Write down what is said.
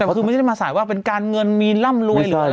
แต่คือไม่ได้มาสายว่าเป็นการเงินมีร่ำรวยหรืออะไร